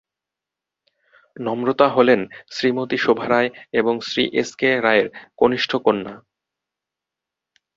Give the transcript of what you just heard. নম্রতা হলেন শ্রীমতী শোভা রায় এবং শ্রী এসকে রায়ের কনিষ্ঠ কন্যা।